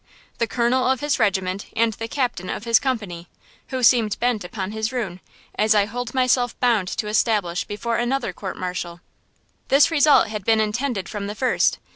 The Colonel of his regiment and the Captain of his company, who seemed bent upon his ruin–as I hold myself bound to establish before another court martial. "This result had been intended from the first!